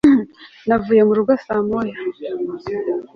navuye mu rugo saa moya